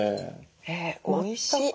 おいしい。